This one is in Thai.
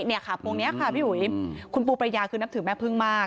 นี่ค่ะพวงนี้ค่ะพี่อุ๋ยคุณปูประยาคือนับถือแม่พึ่งมาก